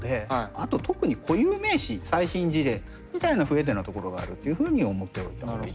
あと特に固有名詞最新事例みたいな不得手なところがあるっていうふうに思っておいたほうがいいと。